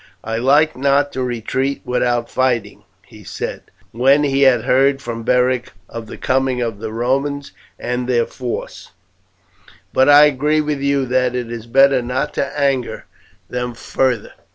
"I like not to retreat without fighting," he said, when he had heard from Beric of the coming of the Romans and their force; "but I agree with you that it is better not to anger them farther."